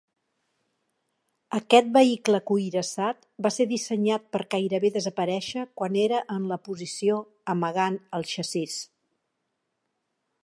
Aquest vehicle cuirassat va ser dissenyat per gairebé desaparèixer quan era en la posició "amagant el xassís".